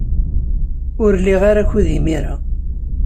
Ur liɣ ara akud imir-a.